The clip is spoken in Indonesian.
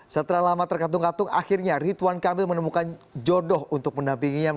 setelah lama tergantung gantung akhirnya ritwan kamil menemukan jodoh untuk mendampinginya